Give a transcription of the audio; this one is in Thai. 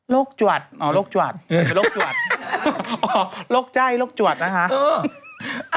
โรคจวัตรอ๋อโรคไจ้โรคจวัตรอ่ะฮะ